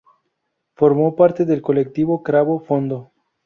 Formó parte del colectivo Cravo Fondo.